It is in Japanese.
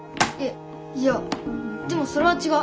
いいやでもそれはちがう。